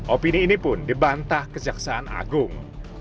opini ini pun dibantah kejaksaan agung